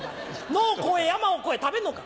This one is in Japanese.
野を越え山を越え食べんのか？